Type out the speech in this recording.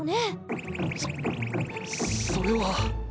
そそれは。